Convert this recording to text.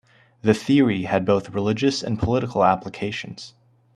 The theory had both religious and political applications.